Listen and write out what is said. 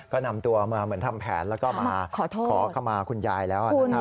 ก็นำตัวมาเหมือนทำแผนแล้วก็มาขอโทษขอขมาคุณยายแล้วนะครับ